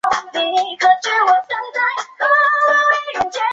伏龙寺是义井村兴建的佛教寺院。